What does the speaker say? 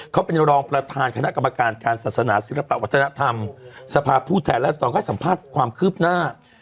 เขาเป็นรองประธานคณะกรรมการการศาสนาศิลปะวัฒนธรรมสภาพผู้แทนรัศดรก็ให้สัมภาษณ์ความคืบหน้า